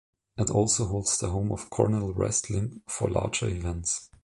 Its also holds the home of Cornell wrestling for larger events.